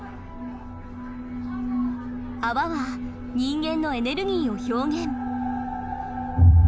泡は人間のエネルギーを表現。